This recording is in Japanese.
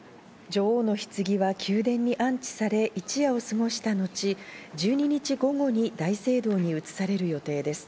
女王のひつぎは宮殿に安置され、一夜を過ごした後、１２日午後に大聖堂に移される予定です。